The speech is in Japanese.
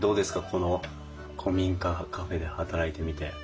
この古民家カフェで働いてみて。